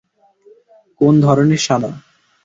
কোন ধরণের সাদা?